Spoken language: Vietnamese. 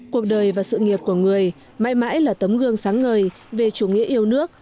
cuộc đời và sự nghiệp của người mãi mãi là tấm gương sáng ngời về chủ nghĩa yêu nước